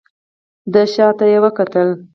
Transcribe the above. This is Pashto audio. دی شا ته يې وکتل.